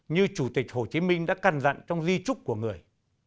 như chủ tịch hồ chí minh đã căn dặn trong di trúc của người